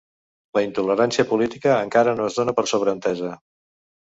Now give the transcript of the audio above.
La intolerància política encara no es dóna per sobreentesa